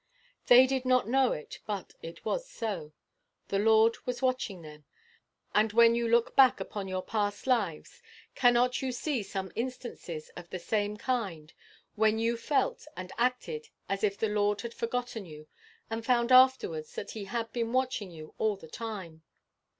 They did not know it, but it was so: the Lord was watching them. And when you look back upon your past lives, cannot you see some instances of the same kind when you felt and acted as if the Lord had forgotten you, and found afterwards that he had been watching you all the time?